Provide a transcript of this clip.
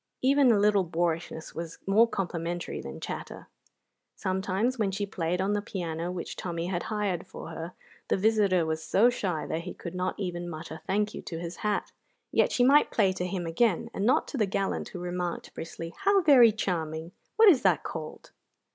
Even a little boorishness was more complimentary than chatter. Sometimes when she played on the piano which Tommy had hired for her, the visitor was so shy that he could not even mutter "Thank you" to his hat; yet she might play to him again, and not to the gallant who remarked briskly: "How very charming! What is that called?"